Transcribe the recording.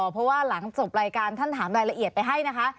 เพราะว่าหลังจบรายการท่านถามรายละเอียดไปให้นะคะ